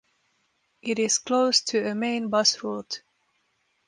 It is close to a main bus route.